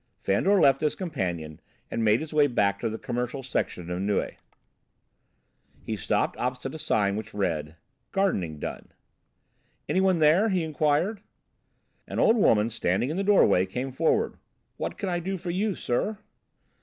Fandor left his companion and made his way back to the commercial section of Neuilly. He stopped opposite a sign which read: "Gardening done." "Anyone there?" he inquired. An old woman, standing in the doorway, came forward. "What can I do for you, sir?"